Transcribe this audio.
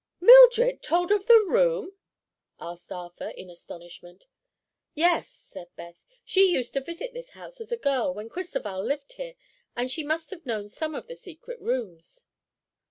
"Mildred told of the room!" exclaimed Arthur in astonishment. "Yes," said Beth, "she used to visit this house as a girl, when Cristoval lived here, and she must have known some of the secret rooms."